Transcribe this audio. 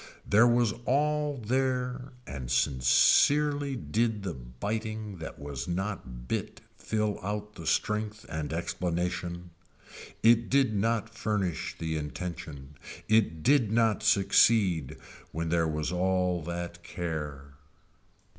There was all there and sincerely did the biting that was not bit fill out the strength and explanation. It did not furnish the intention. It did not succeed when there was all that care.